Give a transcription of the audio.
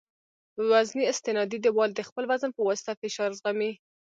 وزني استنادي دیوال د خپل وزن په واسطه فشار زغمي